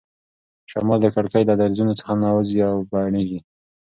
شمال د کړکۍ له درزونو څخه ننوځي او بڼیږي.